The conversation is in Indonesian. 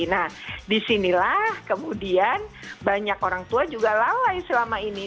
nah disinilah kemudian banyak orang tua juga lalai selama ini